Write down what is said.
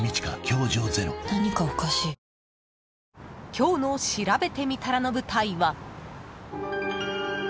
［今日の「しらべてみたら」の舞台は］